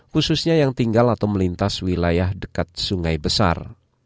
khususnya yang tinggal atau melintas wilayah dekat sungai besar